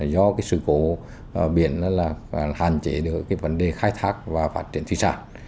do sự cố biển hàn chế được vấn đề khai thác và phát triển thủy sản